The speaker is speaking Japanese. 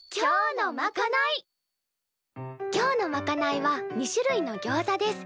今日のまかないは２種類のギョウザです。